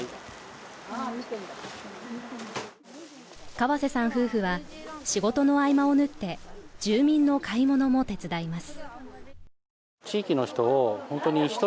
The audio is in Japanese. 河瀬さん夫婦は仕事の合間を縫って、住民の買い物も手伝います。